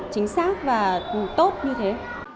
chính xác và tốt như thế